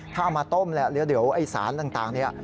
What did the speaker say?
ถ้าเอามาต้มแล้วเดี๋ยวสารต่างนี้